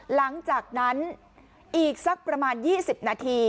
หลังจากนั้นอีกสักประมาณ๒๐นาที